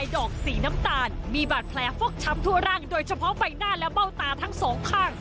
ดอกสีน้ำตาลมีบาดแผลฟกช้ำทั่วร่างโดยเฉพาะใบหน้าและเบ้าตาทั้งสองข้าง